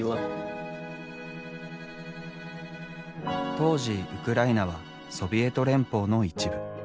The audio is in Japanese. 当時ウクライナはソビエト連邦の一部。